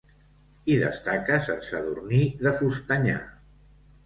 Hi destaca Sant Sadurní de Fustanyà.